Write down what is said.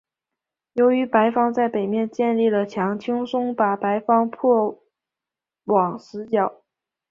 由于白方在北面建立了墙轻松把白方迫往死角。